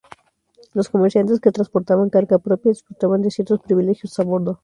Los comerciantes que transportaban carga propia, disfrutaban de ciertos privilegios a bordo.